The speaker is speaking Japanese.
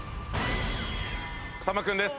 草間君です。